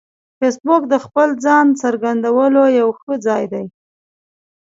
فېسبوک د خپل ځان څرګندولو یو ښه ځای دی